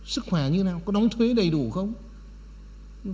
sức khỏe như nào có đóng thuế đầy đủ không